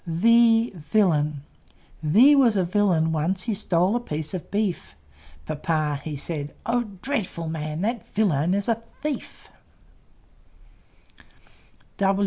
V V was a Villain; once He stole a piece of beef. Papa he said, "Oh, dreadful man! That Villain is a Thief!"